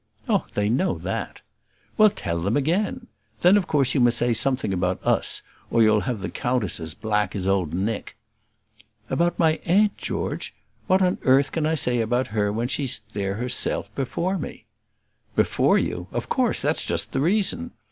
"Oh, they know that." "Well, tell them again. Then of course you must say something about us; or you'll have the countess as black as old Nick." "Abut my aunt, George? What on earth can I say about her when she's there herself before me?" "Before you! of course; that's just the reason.